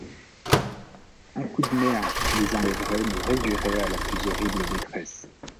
Un coup de mer qui les enlèverait nous réduirait à la plus horrible détresse.